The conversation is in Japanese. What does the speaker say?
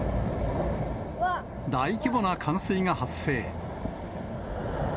大規模な冠水が発生。